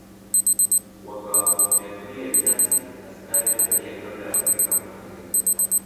Wakawafyatulia risasi askari na raia kabla ya kufika Mto Kagera